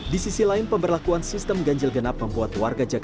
di sisi lain pemberlakuan sistem ganjil genap membuat warga jakarta